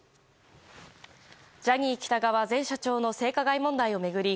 ジャニー喜多川前社長の性加害問題を巡り